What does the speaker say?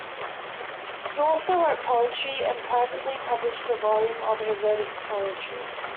He also wrote poetry and privately published a volume of erotic poetry.